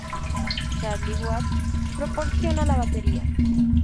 Charlie Watts proporciona la batería.